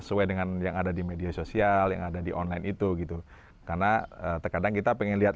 sesuai dengan yang ada di media sosial yang ada di online itu gitu karena terkadang kita pengen lihat